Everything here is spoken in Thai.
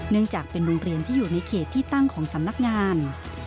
จากเป็นโรงเรียนที่อยู่ในเขตที่ตั้งของสำนักงาน